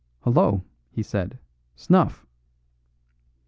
"Hullo!" he said, "snuff!"